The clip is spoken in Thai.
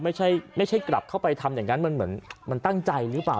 ไม่ใช่กลับเข้าไปทำอย่างนั้นมันเหมือนมันตั้งใจหรือเปล่า